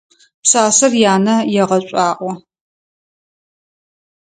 Пшъашъэр янэ егъэшӀуаӀо.